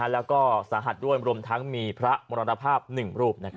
แล้วก็สาหัสด้วยรวมทั้งมีพระมรณภาพ๑รูป